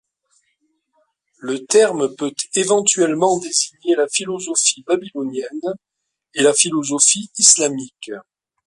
Le terme peut éventuellement désigner la philosophie babylonienne et la philosophie islamique.